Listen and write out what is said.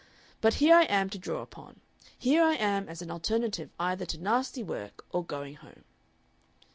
But here I am to draw upon. Here I am as an alternative either to nasty work or going home."